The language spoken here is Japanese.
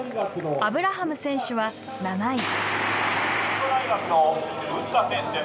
アブラハム選手は７位。